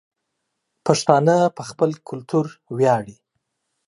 پښتانه په خپل کلتور وياړي